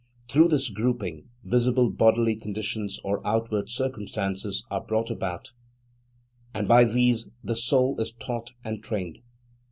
Through this grouping, visible bodily conditions or outward circumstances are brought about, and by these the soul is taught and trained.